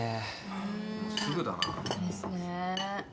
うーんすぐだなですね